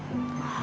あ。